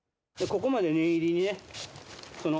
ここまで念入りにね